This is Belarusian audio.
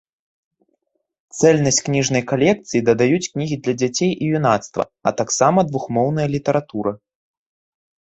Цэльнасць кніжнай калекцыі дадаюць кнігі для дзяцей і юнацтва, а таксама двухмоўная літаратура.